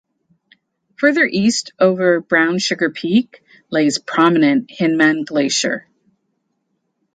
Further east over Brown Sugar Peak lays prominent Hinman Glacier.